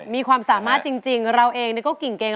มีความสามารถจริงเราเองก็เก่ง